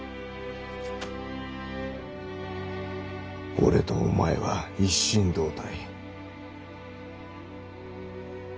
俺とお前は一心同体。